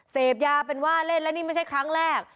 เสพยาเป็นว่าเล่นแล้วนี่ไม่ใช่ครั้งแรก